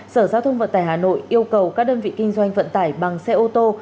sở giao thông vận tải hà nội yêu cầu các đơn vị kinh doanh vận tải bằng xe ô tô